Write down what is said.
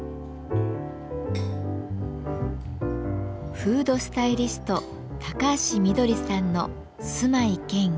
フードスタイリスト高橋みどりさんの住まい兼ギャラリーです。